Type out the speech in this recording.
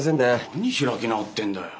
何開き直ってんだよ。